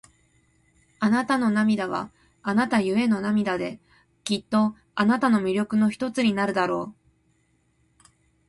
あなたの涙は、あなたゆえの涙で、きっとあなたの魅力の一つになるだろう。